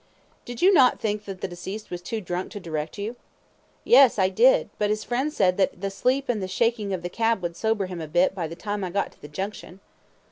Q. Did you not think that the deceased was too drunk to direct you? A. Yes, I did; but his friend said that the sleep and the shaking of the cab would sober him a bit by the time I got to the Junction.